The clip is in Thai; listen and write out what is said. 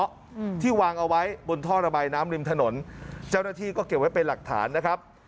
อืมที่วางเอาไว้บนท่อระบายน้ำริมถนนเจ้าหน้าที่ก็เก็บไว้เป็นหลักฐานนะครับ